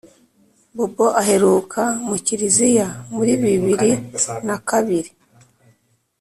bobo aheruka mu kiriziya muri bibiri na kabiri